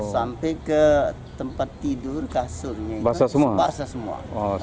sampai ke tempat tidur kasurnya itu basah semua